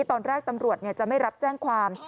ตอนแรกตำรวจจะไม่รับแจ้งความ